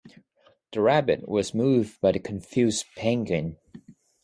The rabbit was moved by the confused penguin.